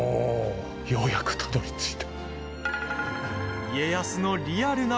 ようやくたどりついた。